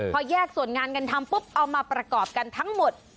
พอแยกส่วนงานกันทำปุ๊บเอามาประกอบกันทั้งหมด